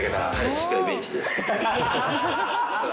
しっかりベンチで。